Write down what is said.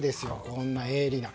こんな鋭利な。